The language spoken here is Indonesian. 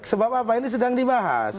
sebab apa ini sedang dibahas